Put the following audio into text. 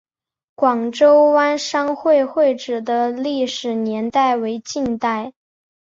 广州湾商会会址的历史年代为近代。